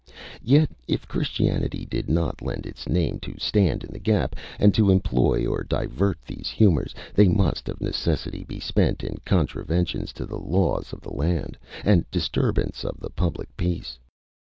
Yet, if Christianity did not lend its name to stand in the gap, and to employ or divert these humours, they must of necessity be spent in contraventions to the laws of the land, and disturbance of the public peace.